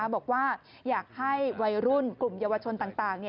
บอกว่าอยากให้วัยรุ่นกลุ่มเยาวชนต่าง